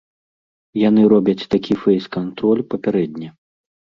Яны робяць такі фэйс-кантроль папярэдне.